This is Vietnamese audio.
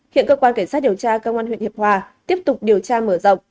hiện cơ quan cảnh sát điều tra công an huyện hiệp hòa tiếp tục điều tra mở rộng